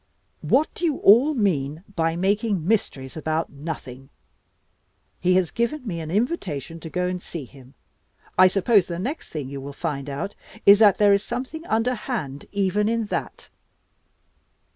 What do you all mean by making mysteries about nothing? He has given me an invitation to go and see him. I suppose the next thing you will find out is, that there is something underhand even in that?"